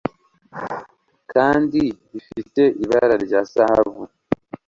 kandi bifite ibara rya Zahabu,